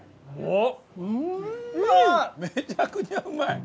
めちゃくちゃうまい！